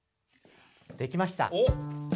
できました。